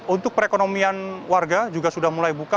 untuk perekonomian warga juga sudah mulai buka